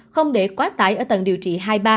không để quá tải ở tầng điều trị hai ba